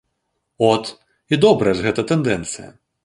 От, і добрая ж гэта тэндэнцыя!